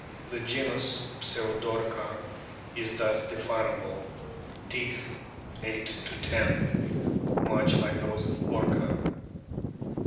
The genus PSEUDORCA is thus definable : Teeth, 8 10, much like those of Orca.